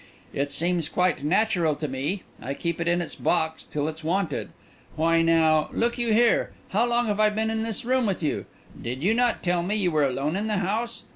It seems quite natural to me; I keep it in its box till it's wanted. Why now, look you here, how long have I been in this room with you? Did you not tell me you were alone in the house?